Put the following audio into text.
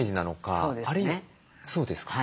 そうですね。